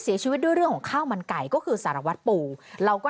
เสียชีวิตด้วยเรื่องของข้าวมันไก่ก็คือสารวัตรปูเราก็